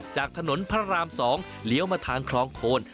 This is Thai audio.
จากถนนพระราม๒เลี้ยวมาทางคลองโคน